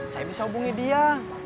saya bisa hubungi dia